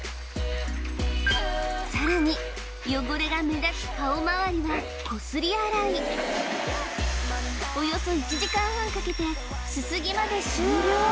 さらに汚れが目立つ顔まわりはこすり洗いおよそ１時間半かけてすすぎまで終了